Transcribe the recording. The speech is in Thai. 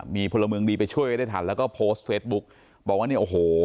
มีพลเมืองดีไปช่วยไว้ได้ทันแล้วก็โพสต์เฟซบุ๊กบอกว่าเนี่ยโอ้โห